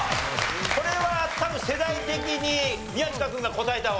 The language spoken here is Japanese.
これは多分世代的に宮近君が答えた方がいいよね。